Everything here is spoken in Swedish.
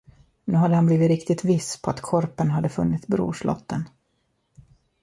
Nu hade han blivit riktigt viss på att korpen hade funnit brorslotten.